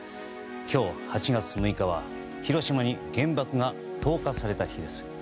今日８月６日は広島に原爆が投下された日です。